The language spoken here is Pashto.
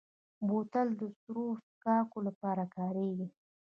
بوتل د سړو څښاکو لپاره کارېږي.